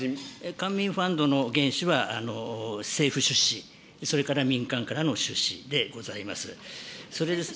官民ファンドの原資は政府出資、それから民間からの出資でございます。